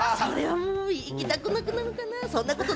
それは行きたくなくなるかな？